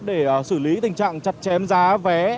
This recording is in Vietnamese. để xử lý tình trạng chặt chém giá vé